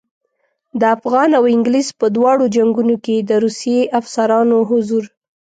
د افغان او انګلیس په دواړو جنګونو کې د روسي افسرانو حضور.